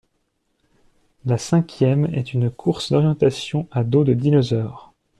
La cinquième est une course d’orientation à dos de dinosaure.